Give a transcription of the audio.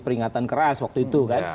peringatan keras waktu itu kan